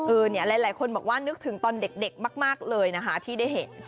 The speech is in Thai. หลายคนบอกว่านึกถึงตอนเด็กมากเลยนะคะที่ได้เห็น